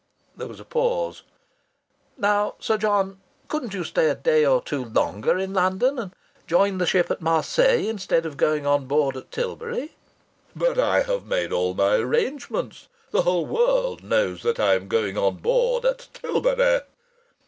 There was a pause. "Now, Sir John, couldn't you stay a day or two longer in London, and join the ship at Marseilles instead of going on board at Tilbury?" "But I have made all my arrangements. The whole world knows that I am going on board at Tilbury."